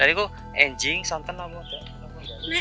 jadi kok enjing santan apa